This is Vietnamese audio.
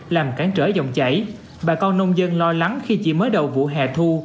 làm cản trở dòng chảy bà con nông dân lo lắng khi chỉ mới đầu vụ hè thu